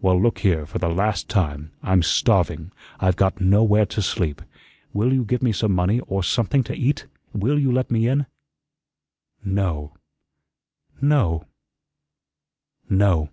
"Well, look here, for the last time. I'm starving. I've got nowhere to sleep. Will you give me some money, or something to eat? Will you let me in?" "No no no."